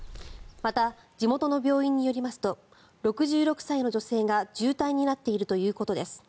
また、地元の病院によりますと６６歳の女性が重体になっているということです。